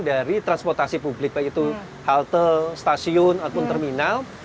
dari transportasi publik yaitu halte stasiun ataupun terminal